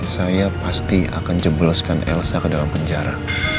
saya pasti akan jebloskan elsa ke dalam penjara